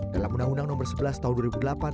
dalam undang undang nomor sebelas tahun dua ribu delapan